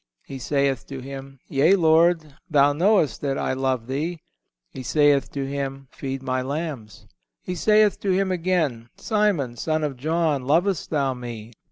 He saith to Him: Yea, Lord, Thou knowest that I love Thee. He saith to him: Feed My lambs. He saith to him again: Simon, son of John, lovest thou Me?